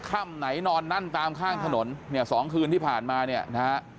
ค่ำไหนนอนนั่นตามข้างถนนเนี่ยสองคืนที่ผ่านมาเนี่ยนะฮะ